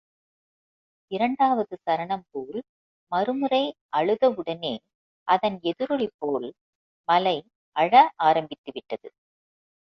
இரண்டாவது சரணம்போல் மறுமுறை அழுதவுடனே, அதன் எதிரொலிபோல் மலை அழ ஆரம்பித்துவிட்டது.